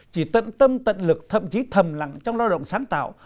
chỉ tận tâm tận lực thậm chí thầm lặng trong lao động sáng tạo